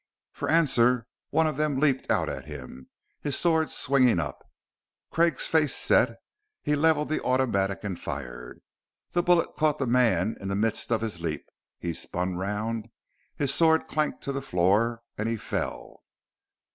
For answer, one of them leaped out at him, his sword swinging up. Craig's face set; he levelled the automatic and fired. The bullet caught the man in the midst of his leap; he spun round, his sword clanked to the floor, and he fell.